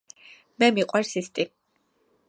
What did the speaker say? მე მიყვარს ისტი